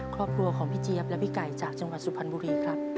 ครอบครัวของพี่เจี๊ยบและพี่ไก่จากจังหวัดสุพรรณบุรีครับ